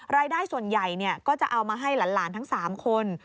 รายได้ส่วนใหญ่ก็จะเอามาให้หลานทั้ง๓คน